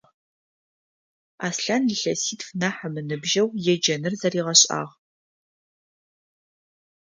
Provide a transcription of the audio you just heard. Аслъан илъэситф нахь ымыныбжьэу еджэныр зэригъэшӏагъ.